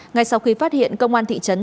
ngay sau khi phát hiện công an thị trấn